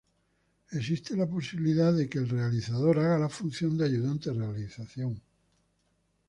Existe la posibilidad que el realizador haga la función de ayudante de realización.